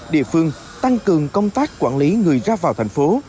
địa phương tăng cường công tác quản lý người ra vào thành phố